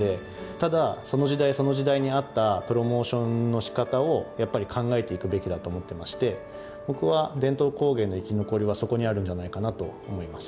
ただその時代その時代に合ったプロモーションのしかたをやっぱり考えていくべきだと思ってまして僕は伝統工芸の生き残りはそこにあるんじゃないかなと思います。